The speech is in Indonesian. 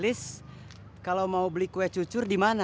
lis kalau mau beli kue cucur dimana